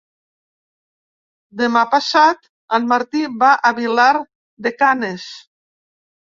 Demà passat en Martí va a Vilar de Canes.